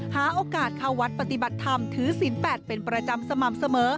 หาโอกาสเข้าวัดปฏิบัติธรรมถือศีล๘เป็นประจำสม่ำเสมอ